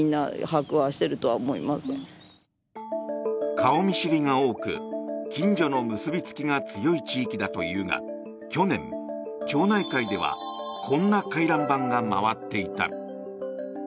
顔見知りが多く近所の結びつきが強い地域だというが去年、町内会ではこんな回覧板が回っていた。